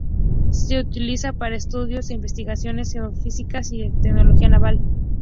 Se utiliza para estudios e investigaciones geofísicas y de tecnología naval.